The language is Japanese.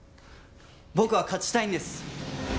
僕は勝ちたいんです。